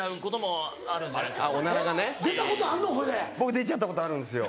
出ちゃったことあるんですよ